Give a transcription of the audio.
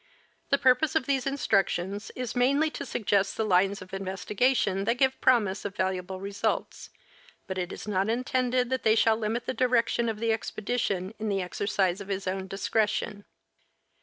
The purpose of these instructions is mainly to suggest the lines of in vestigation that give promise of valuable results, but it is not intended that they shall limit the director of the expedition in the exercise of his own discretion.